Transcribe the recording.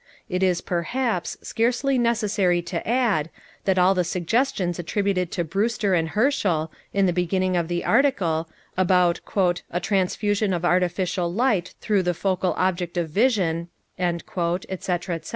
It is, perhaps, scarcely necessary to add, that all the suggestions attributed to Brewster and Herschel, in the beginning of the article, about "a transfusion of artificial light through the focal object of vision," etc., etc.